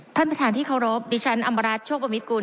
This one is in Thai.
ท่านประธานที่เคารพดิฉันอำมารัฐโชคประมิตกุล